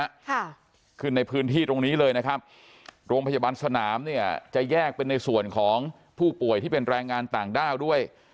ค่ะขึ้นในพื้นที่ตรงนี้เลยนะครับโรงพยาบาลสนามเนี่ยจะแยกเป็นในส่วนของผู้ป่วยที่เป็นแรงงานต่างด้าวด้วย